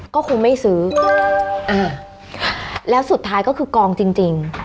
ก็คงไม่ซื้ออ่าแล้วสุดท้ายก็คือกองจริงจริง